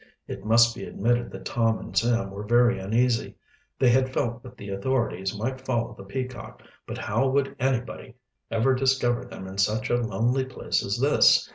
It must be admitted that Tom and Sam were very uneasy. They had felt that the authorities might follow the Peacock, but how would anybody ever discover them in such a lonely place as this?